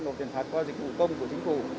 nộp tiền phạt qua dịch vụ công của chính phủ